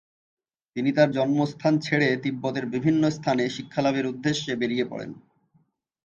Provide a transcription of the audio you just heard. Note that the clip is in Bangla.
তিনি তার জন্মস্থান ছেড়ে তিব্বতের বিভিন্ন স্থানে শিক্ষালাভের উদ্দেশ্যে বেড়িয়ে পড়েন।